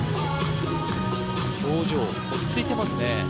表情落ち着いてますね